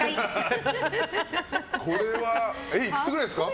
これはいくつぐらいですか？